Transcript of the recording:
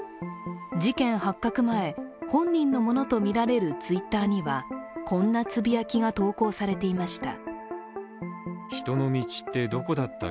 事件発覚前、本人のものとみられるＴｗｉｔｔｅｒには、こんなつぶやきが投稿されていました。